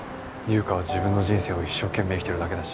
優香は自分の人生を一生懸命生きてるだけだし。